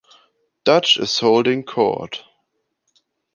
Dutch is holding court.